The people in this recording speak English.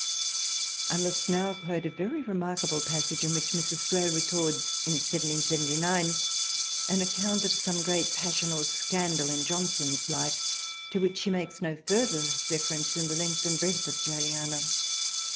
I must now quote a very remarkable passage in which Mrs. Thrale records in 1779 an account of some great passion or scandal in Johnson's Life to which she makes no further reference in the length and breadth of Thraliana.